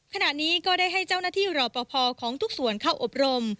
ขณะนี้ก็ได้ให้เจ้าหน้าที่รอปภของทุกส่วนเข้าอบรม